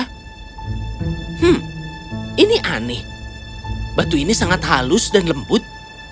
hmm ini aneh batu ini sangat halus dan lembut